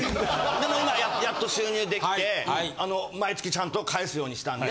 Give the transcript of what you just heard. でも今やっと収入できて毎月ちゃんと返すようにしたんで。